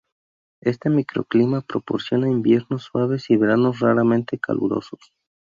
Este microclima proporciona inviernos suaves y veranos raramente calurosos.